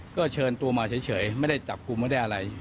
ก็เชิญตัวมาเฉยไม่ได้จับกลุ่มไม่ได้อะไร